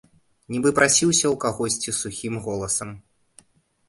Нібы прасіўся ў кагосьці сухім голасам.